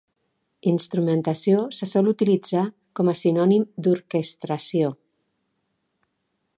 Instrumentació se sol utilitzar com a sinònim d'orquestració.